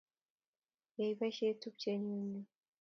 Yae poisyet tupchennyu eng' yun